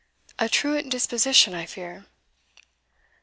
A truant disposition, I fear."